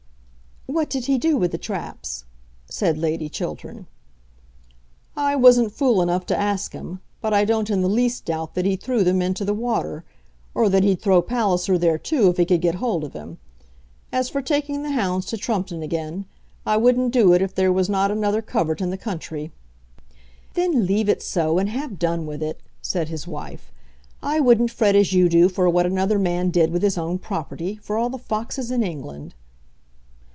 "What did he do with the traps?" said Lady Chiltern. "I wasn't fool enough to ask him, but I don't in the least doubt that he threw them into the water or that he'd throw Palliser there too if he could get hold of him. As for taking the hounds to Trumpeton again, I wouldn't do it if there were not another covert in the country." "Then leave it so, and have done with it," said his wife. "I wouldn't fret as you do for what another man did with his own property, for all the foxes in England."